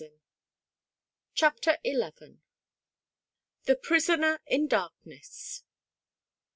CHAPTER XL THE PRISONER IN DARKNESS.